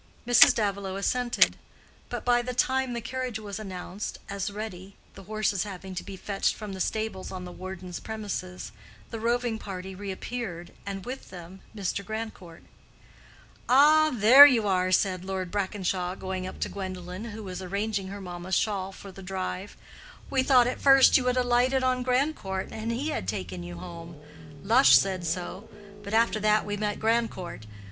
Mrs. Davilow assented; but by the time the carriage was announced as ready—the horses having to be fetched from the stables on the warden's premises—the roving party reappeared, and with them Mr. Grandcourt. "Ah, there you are!" said Lord Brackenshaw, going up to Gwendolen, who was arranging her mamma's shawl for the drive. "We thought at first you had alighted on Grandcourt and he had taken you home. Lush said so. But after that we met Grandcourt.